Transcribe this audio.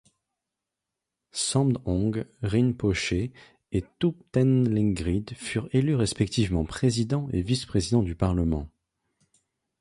Samdhong Rinpoché et Thupten Lungrig furent élus respectivement président et vice-président du Parlement.